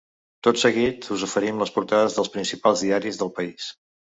Tot seguit us oferim les portades dels principals diaris del país.